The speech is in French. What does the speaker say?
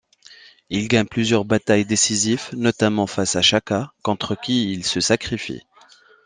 Il gagne plusieurs batailles décisives, notamment face à Shaka, contre qui il se sacrifie.